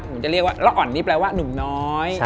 ผมจะเรียกว่าละอ่อนนี่แปลว่าหนุ่มน้อย